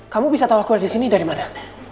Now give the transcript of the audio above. kamu bisa tahu aku ada di sini dari mana